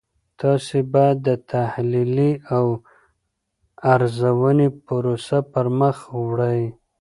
تاسې باید د تحلیلي او ارزونې پروسه پرمخ وړئ.